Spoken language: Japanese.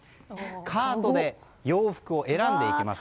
カートで洋服を選んでいきます。